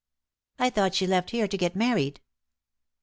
"I thought she left here to get married?"